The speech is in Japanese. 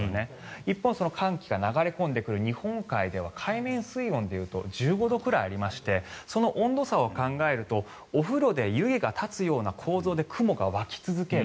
一方、寒気が流れ込んでくる日本海では海面水温で言うと１５度くらいありましてその温度差を考えるとお風呂で湯気が立つような構造で雲が湧き続ける。